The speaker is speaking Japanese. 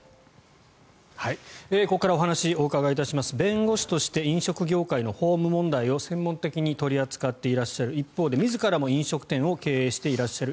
ここからお話をお伺いいたします弁護士として飲食業界の法務問題を専門的に取り扱っていらっしゃる一方で自ら飲食店も経営していらっしゃる